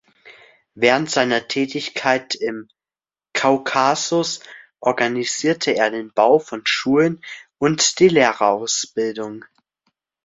Während seiner Tätigkeit im Kaukasus organisierte er den Bau von Schulen und die Lehrerausbildung.